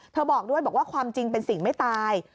บอกด้วยบอกว่าความจริงเป็นสิ่งไม่ตาย